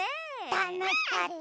たのしかった。